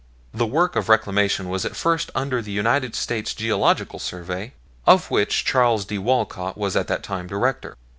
The work of Reclamation was at first under the United States Geological Survey, of which Charles D. Walcott was at that time Director.